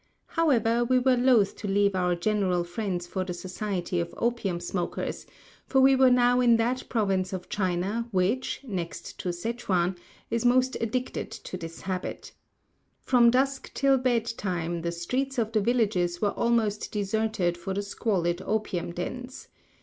However, we were loath to leave our genial friends for the society of opium smokers, for we were now in that province of China which, next to Sechuen, is most addicted to this habit. From dusk till bed time, the streets of the villages were almost deserted for the squalid opium dens.